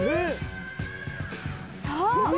［そう。